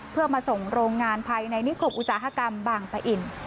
เพื่อมาส่งโรงงานภายในนิคมอุตสาหกรรมบางปะอิน